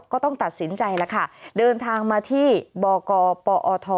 ก็ต้องตัดสินใจแล้วค่ะเดินทางมาที่บกปอท